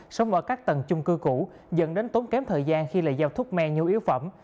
sống ở các tầng chung cư cũ dẫn đến tốn kém thời gian khi lại giao thuốc me nhu yếu phẩm